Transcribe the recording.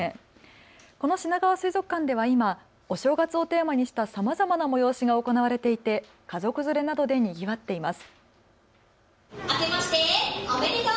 このしながわ水族館では今、お正月をテーマにしたさまざまな催しが行われていて家族連れなどでにぎわっています。